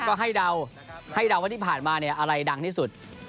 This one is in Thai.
ก็ให้เดาให้เดาว่าที่ผ่านมาเนี่ยอะไรดังที่สุด